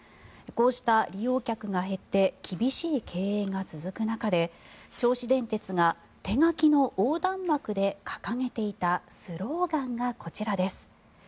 こうした利用客が減って厳しい経営が続く中で銚子電鉄が手書きの横断幕で掲げていたスローガンがこちらです。